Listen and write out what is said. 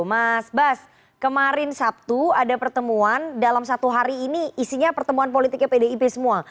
mas bas kemarin sabtu ada pertemuan dalam satu hari ini isinya pertemuan politiknya pdip semua